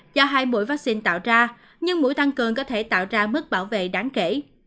do hai mũi vaccine tạo ra nhưng mũi tăng cường có thể tạo ra mức bảo vệ đáng kể